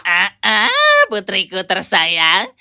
ah putriku tersayang